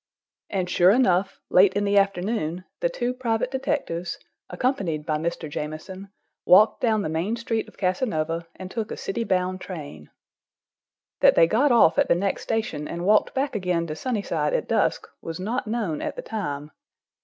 And sure enough, late in the afternoon, the two private detectives, accompanied by Mr. Jamieson, walked down the main street of Casanova and took a city bound train. That they got off at the next station and walked back again to Sunnyside at dusk, was not known at the time.